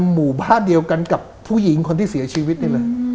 หมู่บ้านเดียวกันกับผู้หญิงคนที่เสียชีวิตนี่เลย